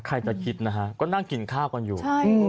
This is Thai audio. ใครจะคิดนะฮะก็นั่งกินข้าวกันอยู่